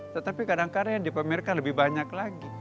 tetapi kadang kadang yang dipamerkan lebih banyak lagi